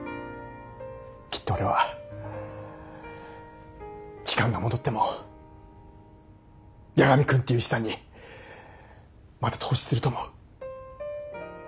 きっと俺は時間が戻っても八神君っていう資産にまた投資すると思う。